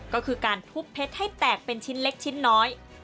ก็คือการทุบเพชรให้แตกเป็นชิ้นเล็กชิ้นน้อย